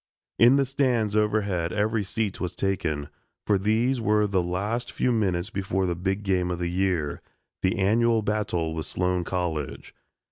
In the stands overhead every seat was taken, for these were the last few minutes before the big game of the year the annual battle with Sloan College.